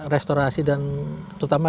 restorasi dan terutama